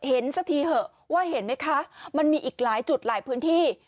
สักทีเถอะว่าเห็นไหมคะมันมีอีกหลายจุดหลายพื้นที่